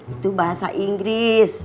itu bahasa inggris